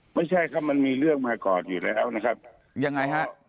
ไม่ใช่ค่ะมันมีเรื่องมาก่อนอยู่แล้วนะครับ